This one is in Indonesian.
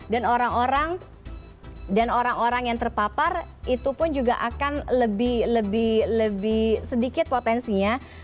dan orang orang yang terpapar itu pun juga akan lebih sedikit potensinya